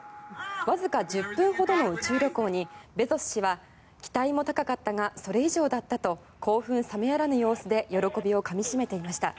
わずか１０分ほどの宇宙旅行にベゾス氏は期待も高かったがそれ以上だったと興奮冷めやらぬ様子で喜びをかみ締めていました。